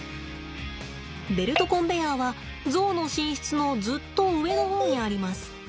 ベルトコンベヤーはゾウの寝室のずっと上の方にあります。